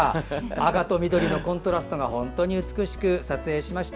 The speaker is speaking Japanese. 赤と緑のコントラストが美しく撮影しました。